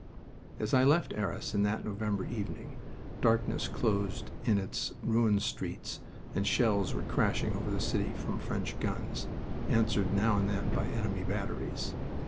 As I left Arras in that November evening, darkness closed in its ruined streets and shells were crashing over the city from French guns, answered now and then by enemy batteries.